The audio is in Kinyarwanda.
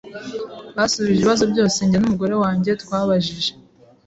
basubije ibibazo byose njye numugore wanjye twabajije.